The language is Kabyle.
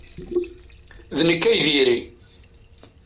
D nekk ay diri!